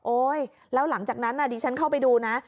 แล้วหลังจากนั้นดิฉันเข้าไปดูนะ